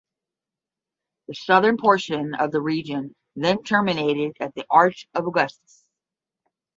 The southern portion of the region then terminated at the Arch of Augustus.